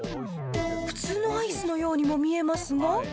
普通のアイスのようにも見えますが。